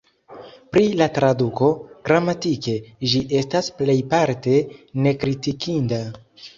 Pri la traduko: gramatike, ĝi estas plejparte nekritikinda.